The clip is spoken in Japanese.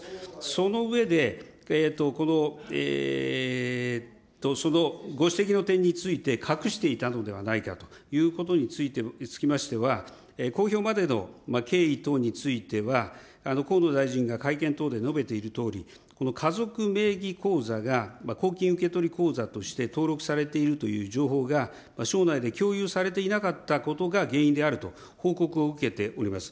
その上で、ご指摘の点について隠していたのではないかということにつきましては、公表までの経緯等については、河野大臣が会見等で述べているとおり、家族名義口座が、公金受取口座として登録されているという情報が省内で共有されていなかったことが原因であると報告を受けております。